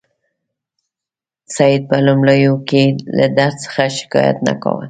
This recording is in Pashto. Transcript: سید په لومړیو کې له درد څخه شکایت نه کاوه.